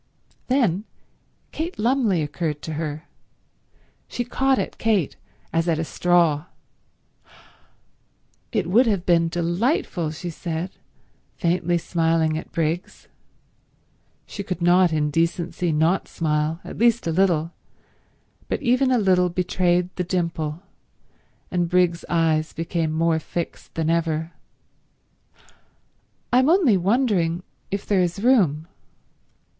Then Kate Lumley occurred to her. She caught at Kate as at a straw. "It would have been delightful," she said, faintly smiling at Briggs—she could not in decency not smile, at least a little, but even a little betrayed the dimple, and Briggs's eyes became more fixed than ever—"I'm only wondering if there is room."